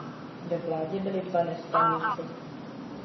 Ve vládě byli dva nestraníci.